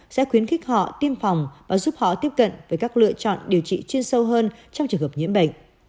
sẽ khuyến khích họ tiêm phòng và giúp họ tiếp cận với các lựa chọn điều trị chuyên sâu hơn trong trường hợp nhiễm bệnh